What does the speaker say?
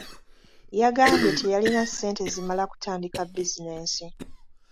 Yagambye teyalina ssente zimala kutandika bizinensi.